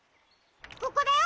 ここだよ！